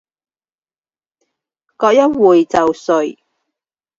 过一会就睡